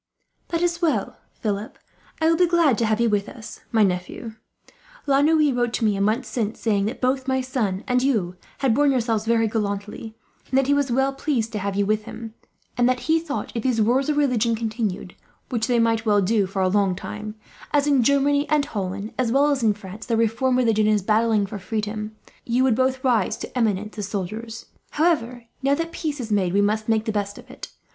"That is well, Philip. I will be glad to have you with us, my nephew. La Noue wrote to me, a month since, saying that both my son and you had borne yourselves very gallantly; that he was well pleased to have had you with him; and that he thought that, if these wars of religion continued which they might well do for a long time, as in Germany and Holland, as well as in France, the reformed religion is battling for freedom you would both rise to eminence as soldiers. "However, now that peace is made, we must make the best of it.